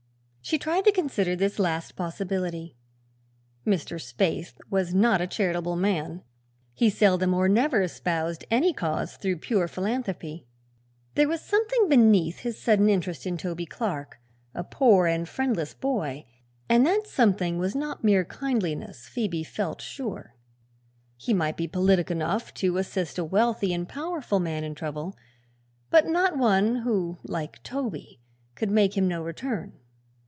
She tried to consider this last possibility. Mr. Spaythe was not a charitable man; he seldom or never espoused any cause through pure philanthropy. There was something beneath this sudden interest in Toby Clark, a poor and friendless boy, and that something was not mere kindliness, Phoebe felt sure. He might be politic enough to assist a wealthy and powerful man in trouble, but not one who, like Toby, could make him no return.